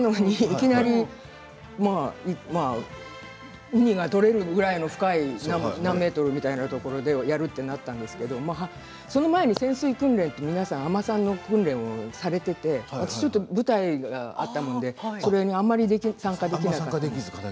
いきなりウニが取れるぐらいの深い何ｍぐらいのところでやるってなったんですけれどその前に潜水訓練、皆さん海女さんの訓練をされていて私はちょっと舞台があったものでそれにあまり参加できなくて。